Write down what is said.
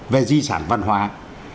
về các hệ thống pháp luật